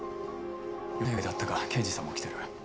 予定外だったが刑事さんも来てる。